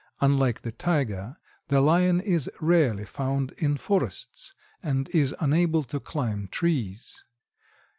Unlike the tiger, the Lion is rarely found in forests, and is unable to climb trees.